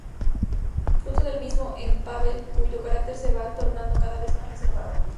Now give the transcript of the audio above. Fruto del mismo es Pável cuyo carácter se va tornando cada vez más reservado.